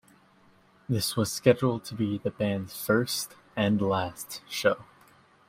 This was scheduled to be the band's first and last show.